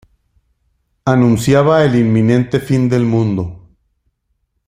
Anunciaba el inminente fin del mundo.